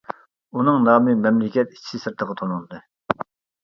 ئۇنىڭ نامى مەملىكەت ئىچى سىرتىغا تونۇلدى.